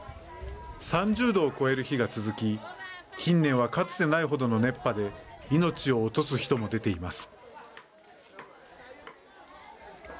３０度を超える日が続き近年はかつてない程の熱波で命を落とす人も出ています。